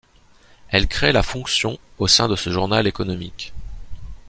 Elle crée la fonction au sein de ce journal économique.